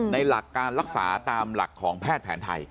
หลักการรักษาตามหลักของแพทย์แผนไทย